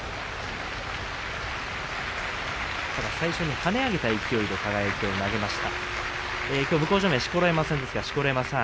跳ね上げた勢いで輝を投げました。